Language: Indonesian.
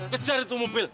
kejar itu mobil